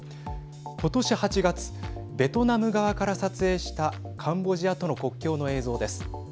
今年８月、ベトナム側から撮影したカンボジアとの国境の映像です。